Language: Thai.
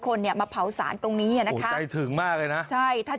คนเนี่ยมาเผาสารตรงนี้อ่ะนะคะใจถึงมากเลยนะใช่ถ้า